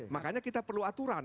makanya kita perlu aturan